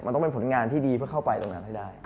มันต้องเป็นผลงานที่ดีเพื่อเข้าไปตรงนั้นให้ได้